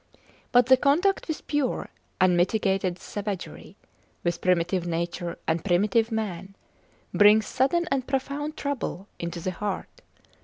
But the contact with pure unmitigated savagery, with primitive nature and primitive man, brings sudden and profound trouble into the heart.